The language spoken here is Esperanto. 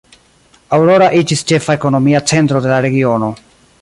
Aurora iĝis ĉefa ekonomia centro de la regiono.